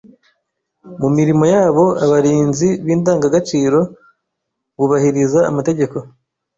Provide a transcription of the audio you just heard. Mu mirimo yabo, abarinzi b’indangagaciro bubahiriza amategeko